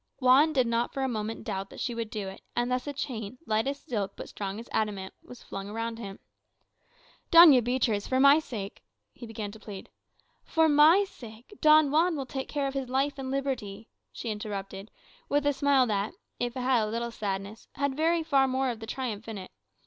Juan did not for a moment doubt that she would do it; and thus a chain, light as silk but strong as adamant, was flung around him. "Doña Beatriz, for my sake " he began to plead. "For my sake, Don Juan will take care of his life and liberty," she interrupted, with a smile that, if it had a little sadness, had very far more of triumph in it.